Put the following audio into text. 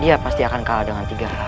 dia pasti akan kalah dengan tiga hal